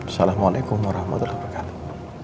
assalamualaikum warahmatullahi wabarakatuh